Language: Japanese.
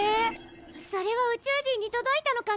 それは宇宙人に届いたのかな？